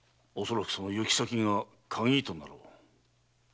おそらくその行き先が鍵となろう。